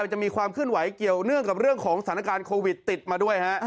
จะมีความเคลื่อนไหวเกี่ยวเนื่องกับเรื่องของสถานการณ์โควิดติดมาด้วยฮะ